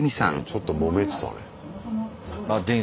ちょっともめてたね。